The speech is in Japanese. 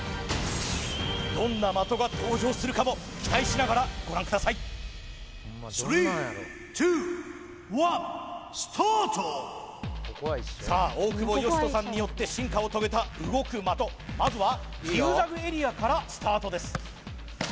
どんな的が登場するかも期待しながらご覧くださいさあ大久保嘉人さんによって進化を遂げた動く的まずはジグザグエリアからスタートです